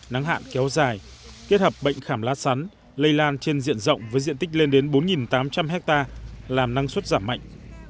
nắng hạn kéo dài kết hợp bệnh khảm lá sắn lây lan trên diện rộng với diện tích lên đến bốn tám trăm linh hectare làm năng suất giảm mạnh